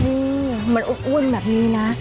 นี่มันอบอ้วนแบบนี้นะ